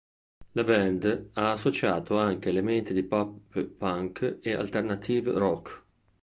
La band ha associato anche elementi di pop punk e alternative rock.